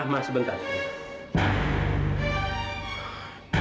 ma ma sebentar